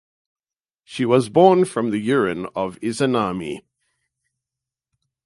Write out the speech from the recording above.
She was born from the urine of Izanami.